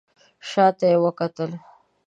شا ته یې وکتل.